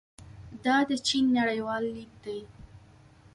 دا د چین نړیوال لید دی.